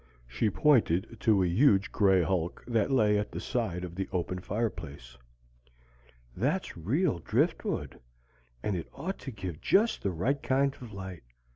She pointed to a huge gray hulk that lay at the side of the open fireplace. "That's real driftwood, and it ought to give just the right kind of light.